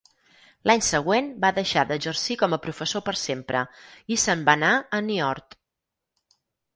L'any següent, va deixar d'exercir com a professor per sempre i se'n va anar a Niort.